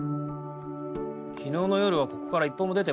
昨日の夜はここから一歩も出てませんよ。